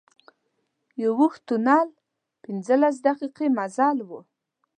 یو اوږد تونل پنځلس دقيقې مزل و.